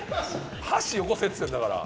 箸よこせっつってんだから。